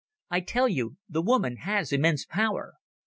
I tell you, the woman has immense power.